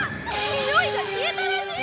においが消えたらしい！